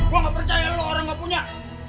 gue gak percaya lo orang gak punya